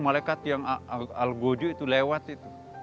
malaikat yang al goju itu lewat itu